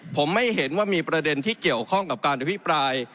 ผมไม่เห็นว่ามีประเด็นที่เกี่ยวข้องกับการอภิปราย